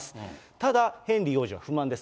ただ、ヘンリー王子は不満です。